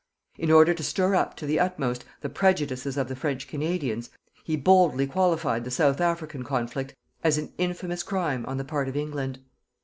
In order to stir up to the utmost the prejudices of the French Canadians, he boldly qualified the South African conflict as an infamous crime on the part of England.